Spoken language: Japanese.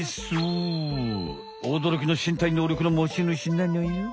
おどろきの身体能力の持ちぬしなのよ。